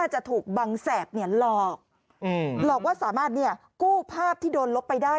หรอกว่าสามารถกู้ภาพที่โดนลบไปได้